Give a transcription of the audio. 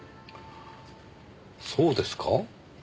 そうですか？